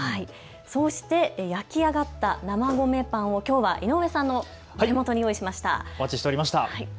そして焼き上がった生米パンをきょうは井上さんのお手元に用意しました。